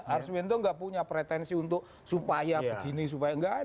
arswendo nggak punya pretensi untuk supaya begini supaya nggak ada